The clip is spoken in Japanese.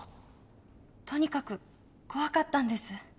とにかく怖かったんです。